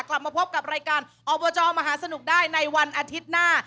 กลับมาพบกับรายการอบจมหาสนุกได้ในวันอาทิตย์หน้า